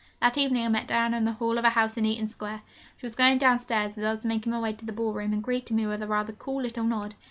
That evening I met Diana in the hall of a house in Eaton Square. She was going downstairs as I was making my way to the ball room, and greeted me with a rather cool little nod.